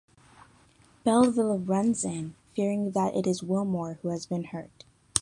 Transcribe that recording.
Belvile runs in, fearing that it is Willmore who has been hurt.